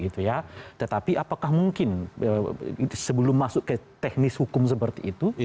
tetapi apakah mungkin sebelum masuk ke teknis hukum seperti itu